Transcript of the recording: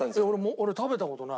俺食べた事ない。